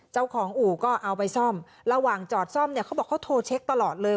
เจ้าของอู่ก็เอาไปซ่อมระหว่างจอดซ่อมเนี่ยเขาบอกเขาโทรเช็คตลอดเลย